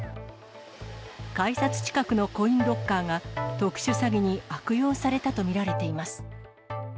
改札近くのコインロッカーが、特殊詐欺に悪用されたと見られています。